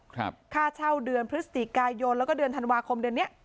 ค่าเช่าเดือนพฤศจิกายนแล้วก็เดือนธันวาคมเดือนเนี้ย